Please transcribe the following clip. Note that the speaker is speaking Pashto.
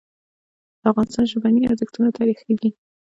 د افغانستان ژبني ارزښتونه تاریخي دي.